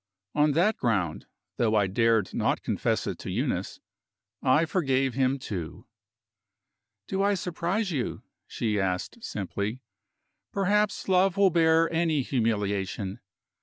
On that ground though I dared not confess it to Eunice I forgave him, too. "Do I surprise you?" she asked simply. "Perhaps love will bear any humiliation.